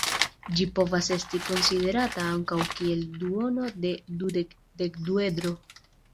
Ĝi povas esti konsiderata ankaŭ kiel duono de dudek-dekduedro.